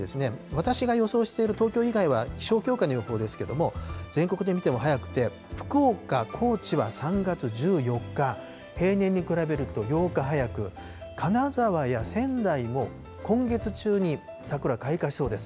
私が予想している東京以外は、気象協会の予想ですけれども、全国的で見ても早くて、福岡、高知は３月１４日、平年に比べると８日早く、金沢や仙台も今月中に桜、開花しそうです。